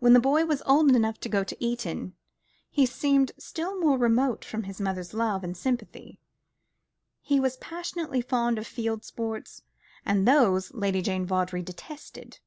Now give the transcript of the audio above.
When the boy was old enough to go to Eton, he seemed still more remote from his mother's love and sympathy. He was passionately fond of field sports, and those Lady Jane Vawdrey detested.